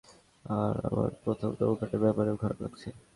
আর আমার প্রথম নৌকাটার ব্যাপারেও খারাপ লাগছে।